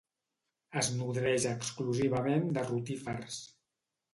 Es nodreix exclusivament de rotífers.